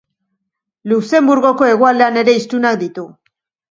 Luxenburgoko hegoaldean ere hiztunak ditu.